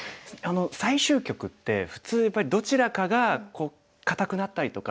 最終局って普通やっぱりどちらかが硬くなったりとか。